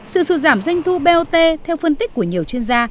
sự sụt giảm doanh thu bot theo phân tích của nhiều chuyên gia